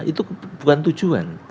itu bukan tujuan